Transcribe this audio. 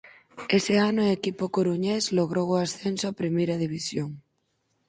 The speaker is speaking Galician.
Ese ano o equipo coruñés logrou o ascenso a Primeira División.